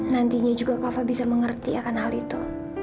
nantinya juga kafa bisa mengerti akan hal itu